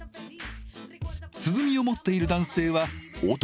鼓を持っている男性は「男芸者」。